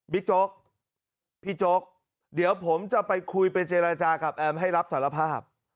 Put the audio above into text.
โจ๊กพี่โจ๊กเดี๋ยวผมจะไปคุยไปเจรจากับแอมให้รับสารภาพ